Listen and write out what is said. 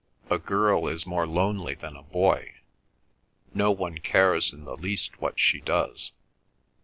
"A girl is more lonely than a boy. No one cares in the least what she does.